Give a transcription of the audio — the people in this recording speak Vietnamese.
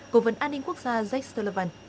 cố vấn an ninh quốc gia jake sullivan